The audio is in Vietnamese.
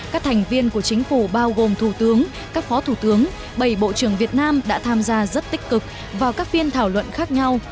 các thành viên của chính phủ bao gồm thủ tướng các phó thủ tướng bảy bộ trưởng việt nam đã tham gia rất tích cực vào các phiên thảo luận khác nhau